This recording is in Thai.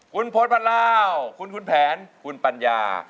คุณโพธิ์พันลาวคุณแผนคุณปัญญา